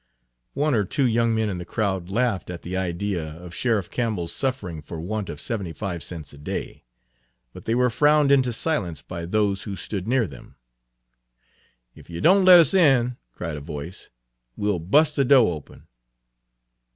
One or two young men in the crowd laughed at the idea of Sheriff Campbell's suffering for want of seventy five cents a day; but they were frowned into silence by those who stood near them. "Ef yer don't let us in," cried a voice, "we'll bu's' the do' open."